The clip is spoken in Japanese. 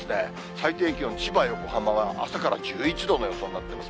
最低気温、千葉、横浜は、朝から１１度の予想になっています。